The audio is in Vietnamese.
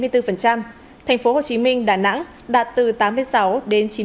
tp hcm đà nẵng đạt từ tám mươi sáu đến chín mươi một